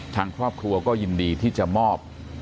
ทางครอบครัวก็ยินดีที่จะมอบ